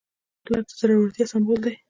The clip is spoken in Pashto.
پلار د زړورتیا سمبول دی.